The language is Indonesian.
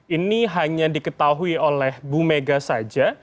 ini hanya diketahui oleh bu mega saja